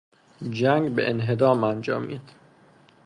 جنگ به انهدام انجامید.